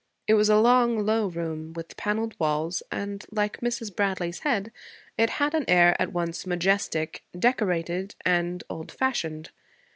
It was a long, low room, with paneled walls; and, like Mrs. Bradley's head, it had an air at once majestic, decorated, and old fashioned.